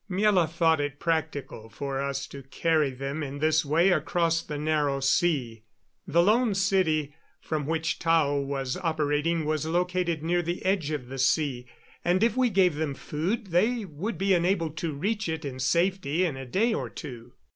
Miela thought it practical for us to carry them in this way across the Narrow Sea. The Lone City, from which Tao was operating, was located near the edge of the sea, and if we gave them food they would be enabled to reach it in safety in a day or two.